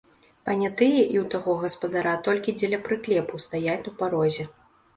Панятыя і ў таго гаспадара толькі дзеля прыклепу стаяць у парозе.